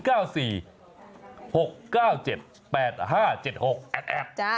แอบ